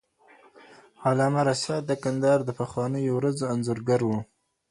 علامه رشاد د کندهار د پخوانیو ورځو انځورګر وو.